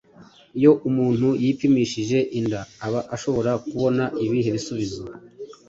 Iyo umuntu yipimishije inda aba ashobora kubona ibihe bisubizo?